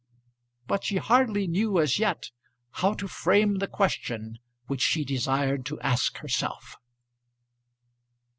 But she hardly knew as yet how to frame the question which she desired to ask herself.